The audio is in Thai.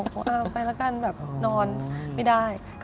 ไปแล้วกันแบบนอนไม่ได้